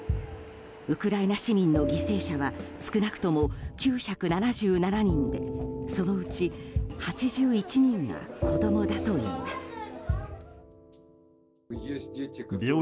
ウクライナ市民の犠牲者は少なくとも９７７人でそのうち８１人が子供だといいます。